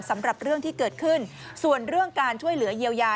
สำหรับเรื่องที่เกิดขึ้นส่วนเรื่องการช่วยเหลือเยียวยา